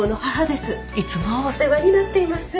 いつもお世話になっています。